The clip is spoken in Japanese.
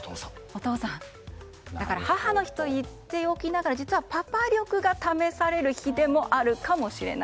だから母の日と言っておきながら実はパパ力が試される日かもしれない。